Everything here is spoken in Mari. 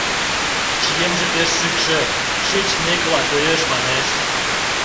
Чиемже пеш шӱкшӧ, шӱч мекыла коеш, манеш.